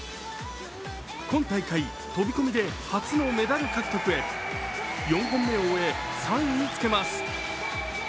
今大会飛び込みで初のメダル獲得へ４本目を終え、３位につけます。